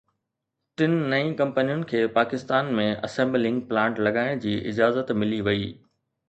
ٽن نئين ڪمپنين کي پاڪستان ۾ اسمبلنگ پلانٽ لڳائڻ جي اجازت ملي وئي